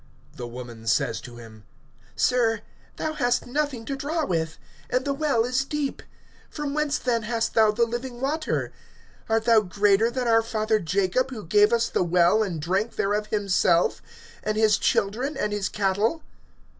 (11)The woman says to him: Sir, thou hast nothing to draw with, and the well is deep. From whence then hast thou the living water. (12)Art thou greater than our father Jacob, who gave us the well, and drank thereof himself, and his children, and his cattle?